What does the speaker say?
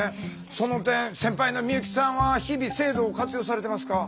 その点先輩の美由紀さんは日々制度を活用されてますか？